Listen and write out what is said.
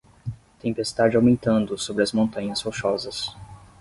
Tempestade aumentando sobre as Montanhas Rochosas.